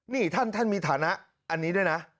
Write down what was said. นี่ท่านมีฐานะอันนี้ด้วยนะ